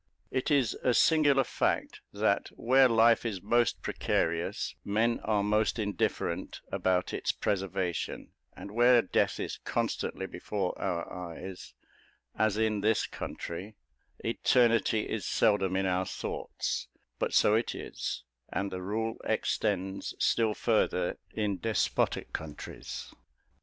It is a singular fact, that where life is most precarious, men are most indifferent about its preservation; and, where death is constantly before our eyes, as in this country, eternity is seldom in our thoughts: but so it is; and the rule extends still further in despotic countries.